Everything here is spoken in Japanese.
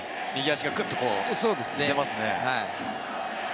確かに右足がクッと出ますね。